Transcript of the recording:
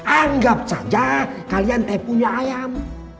anggap saja kalian tak punya ayam